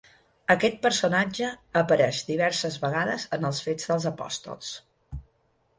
Aquest personatge apareix diverses vegades en els Fets dels apòstols.